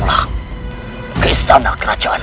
saya akan menang